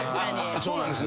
そうなんです